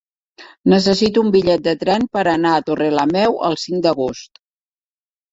Necessito un bitllet de tren per anar a Torrelameu el cinc d'agost.